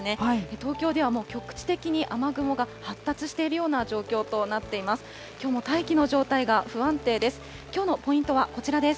東京ではもう局地的に雨雲が発達しているような状況となっています。